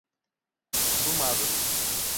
Brumado